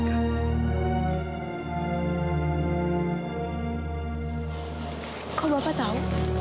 kau lupa tau